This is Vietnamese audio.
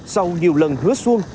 sau nhiều lần hứa xuôi